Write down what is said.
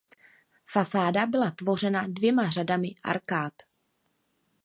Fasáda byla tvořena dvěma řadami arkád.